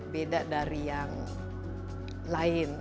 beda dari yang lain